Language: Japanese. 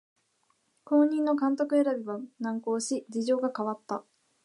後任の監督選びが難航し事情が変わった